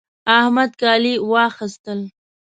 احمد کالي واخيستل